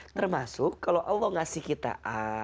termasuk kalau allah ngasih kita a